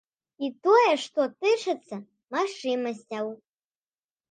І тое, што тычыцца магчымасцяў.